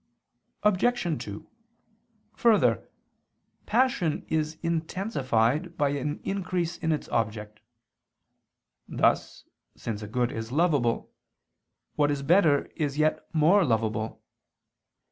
Obj. 2: Further, passion is intensified by an increase in its object: thus since a good is lovable, what is better is yet more lovable.